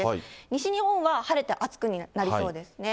西日本は晴れて暑くなりそうですね。